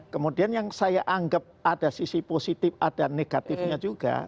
kemudian yang saya anggap ada sisi positif ada negatifnya juga